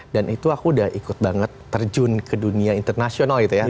dan itu aku udah ikut banget terjun ke dunia internasional gitu ya